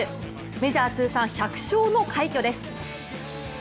メジャー通算１００勝の快挙です。